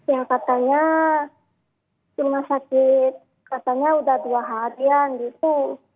ya katanya rumah sakit katanya udah dua harian gitu